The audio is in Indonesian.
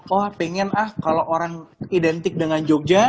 wah pingin ah kalau orang identik dengan jogja